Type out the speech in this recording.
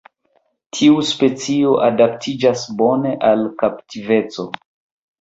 Tiu specio adaptiĝas bone al kaptiveco.